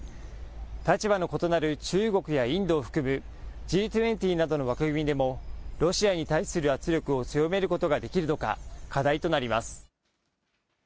立場の異なる中国やインドを含むＧ２０などの枠組みでもロシアに対する圧力を強めることができるのか、課題となります。